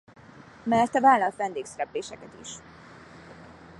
Mellette vállal vendégszerepléseket is.